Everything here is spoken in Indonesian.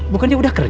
bukannya udah kena